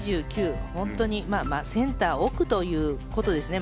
本当にセンター奥ということですね